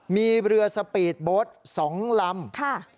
มีเรือสปีดโบสต์๒ลำ